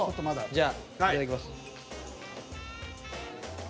じゃあいただきます。